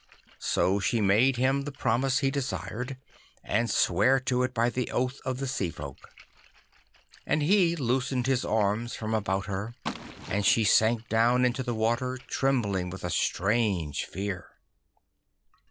So she made him the promise he desired, and sware it by the oath of the Sea folk. And he loosened his arms from about her, and she sank down into the water, trembling with a strange fear.